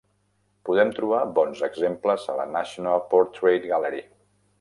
Podem trobar bons exemples a la National Portrait Gallery.